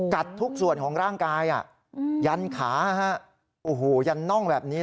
ทุกส่วนของร่างกายยันขาโอ้โหยันน่องแบบนี้